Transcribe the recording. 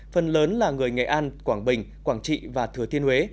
phần lớn là người nghệ an quảng bình quảng trị và thừa thiên huế